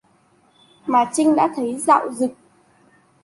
Mà Trinh đã thấy dạo rực